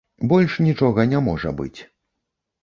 Больш нічога не можа быць.